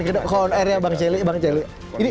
ke on air ya bang celi